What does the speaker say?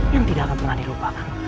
yang tidak akan pernah dilupakan